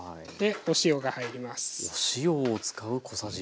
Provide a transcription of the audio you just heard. お塩が入ります。